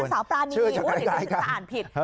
นางสาวปรานีอ้อนางสาวปรานีอ้อเดี๋ยวจะอ่านผิด